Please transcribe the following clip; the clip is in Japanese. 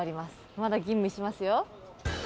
まだ吟味しますよ。